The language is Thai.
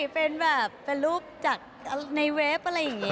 เป็นอย่างไรเป็นรูปในเว็บ